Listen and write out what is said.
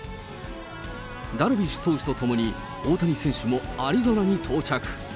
ダルビッシュ投手と共に、大谷選手もアリゾナに到着。